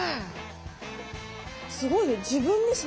すごいね。